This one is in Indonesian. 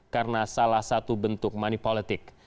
karena salah satu bentuk money politik